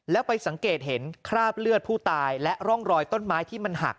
แล้วไปสังเกตเห็นคราบเลือดผู้ตายและร่องรอยต้นไม้ที่มันหัก